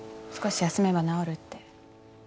少し休めば治るって。